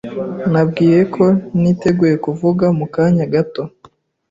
Nabwiwe ko niteguye kuvuga mukanya gato.